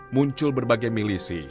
muncul berbagai milisi